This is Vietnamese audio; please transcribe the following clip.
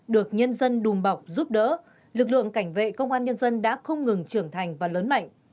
được nhân dân đùm bọc giúp đỡ lực lượng cảnh vệ công an nhân dân đã không ngừng trưởng thành và lớn mạnh